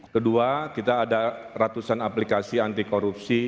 kedua kita ada ratusan aplikasi anti korupsi